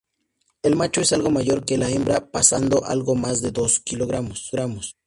El macho es algo mayor que la hembra, pesan algo más de dos Kg.